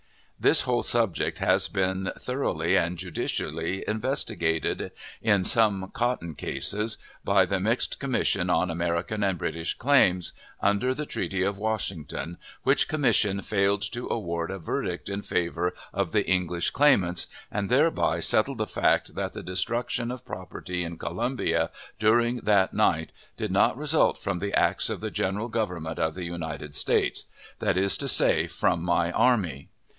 This whole subject has since been thoroughly and judicially investigated, in some cotton cases, by the mixed commission on American and British claims, under the Treaty of Washington, which commission failed to award a verdict in favor of the English claimants, and thereby settled the fact that the destruction of property in Columbia, during that night, did not result from the acts of the General Government of the United States that is to say, from my army.